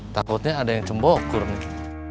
takutnya ada yang cembukur nih